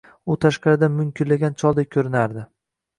U tashqaridan munkillagan choldek koʻrinardi.